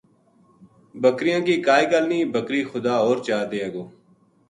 بکریاں کی کائی گل نیہہ بکری خدا ہور چا دیئے گو